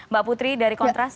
mbak putri dari kontras